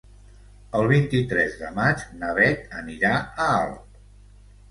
El vint-i-tres de maig na Beth anirà a Alp.